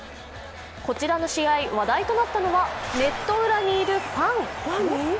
こちらの試合、話題となったのはネット裏にいるファン。